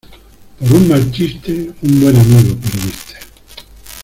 Por un mal chiste un buen amigo perdiste.